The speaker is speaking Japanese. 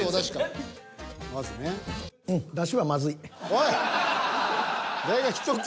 おい！